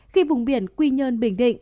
khi vùng biển quy nhân bình định